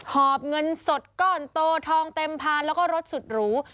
หอบเงินสดก้อนโตทองเต็มพานแล้วก็รถสุดหรู